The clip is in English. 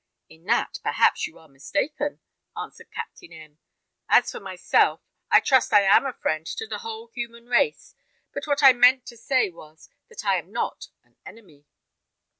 "In that, perhaps, you may be mistaken," answered Captain M . "As for myself, I trust I am a friend to the whole human race; but what I meant to say was, that I am not an enemy."